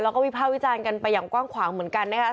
แล้วก็วิภาควิจารณ์กันไปอย่างกว้างขวางเหมือนกันนะคะ